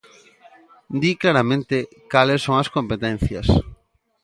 Di claramente cales son as competencias.